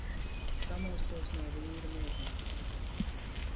Pamostos no vīra modinātāja.